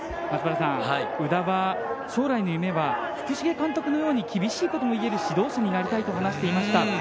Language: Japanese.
夘田は将来の夢は福重監督のように厳しいことも言える指導者になりたいと話していました。